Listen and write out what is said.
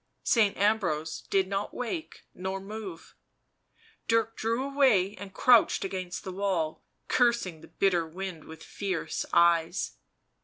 Saint Ambrose did not wake nor move ; Dirk drew away and crouched against the wall, cursing the bitter wind with fierce eyes.